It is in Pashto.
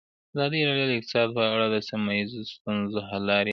ازادي راډیو د اقتصاد په اړه د سیمه ییزو ستونزو حل لارې راوړاندې کړې.